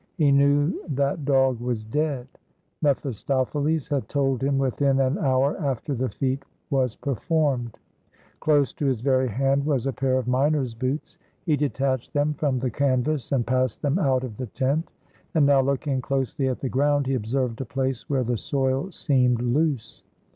He knew that dog was dead. mephistopheles had told him within an hour after the feat was performed. Close to his very hand was a pair of miner's boots. He detached them from the canvas and passed them out of the tent; and now looking closely at the ground he observed a place where the soil seemed loose.